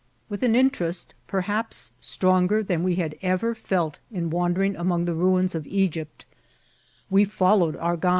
With an interest perhaps stronger than we had ever felt in wan dering among the ruins of Egypt, we followed oinr THS RUINS.